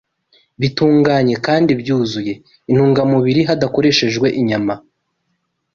bitunganye kandi byuzuye intungamubiri, hadakoreshejwe inyama